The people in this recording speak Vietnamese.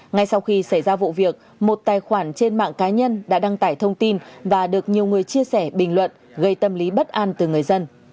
ngay sau khi xảy ra vụ việc một tài khoản trên mạng cá nhân đã đăng tải thông tin và được nhiều người chia sẻ bình luận gây tâm lý bất an từ người dân